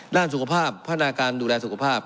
ด้านสุขภาพพัฒนาการดูแลสุขภาพ